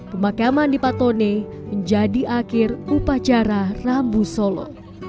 pemakaman di patone menjadi akhir upacara rambu solo